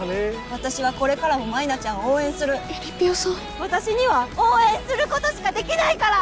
私はこれからも舞菜ちゃんを応援するえりぴよさん私には応援することしかできないから！